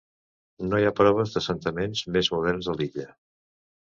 No hi ha proves d'assentaments més moderns a l'illa.